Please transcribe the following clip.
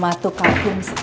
aku sudah tinggal biasa kan